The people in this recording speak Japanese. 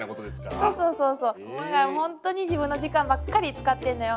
もうだから本当に自分の時間ばっかり使ってんのよ。